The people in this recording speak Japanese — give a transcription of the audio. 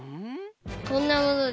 こんなものです。